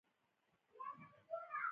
تر بوټو لاندې واورې شڼهار کاوه.